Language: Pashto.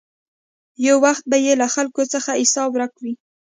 یو وخت به یې له خلکو څخه حساب ورک وي.